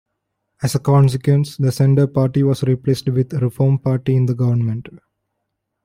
As a consequence, the Centre party was replaced with Reform Party in the government.